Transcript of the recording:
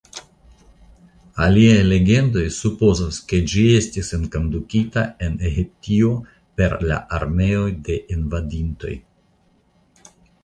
Aliaj legendoj supozas ke ĝi estis enkondukita en Egiptio per la armeoj de invadintoj.